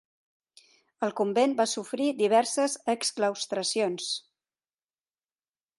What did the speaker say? El convent va sofrir diverses exclaustracions.